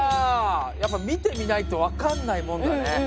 やっぱ見てみないと分かんないもんだね。